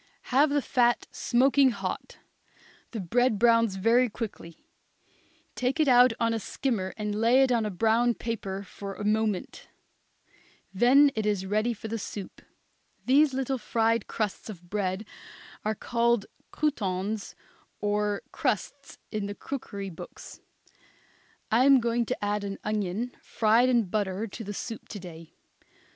Have the fat smoking hot; the bread browns very quickly; take it out on a skimmer and lay it on a brown paper for a moment; then it is ready for the soup. These little fried crusts of bread are called croutons or crusts in the cookery books. I am going to add an onion fried in butter to the soup to day.